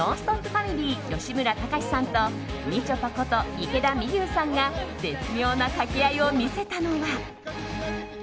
ファミリー吉村崇さんとみちょぱこと池田美優さんが絶妙な掛け合いを見せたのは。